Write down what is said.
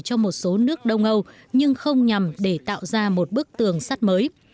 châu âu là một trong số nước đông âu nhưng không nhằm để tạo ra một bức tường sắt mới